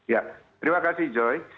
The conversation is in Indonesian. ya terima kasih joy